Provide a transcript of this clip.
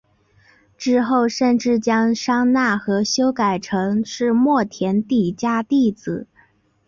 之后甚至将商那和修改成是末田底迦弟子。